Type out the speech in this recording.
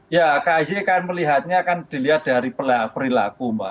ya kay kan melihatnya kan dilihat dari perilaku mbak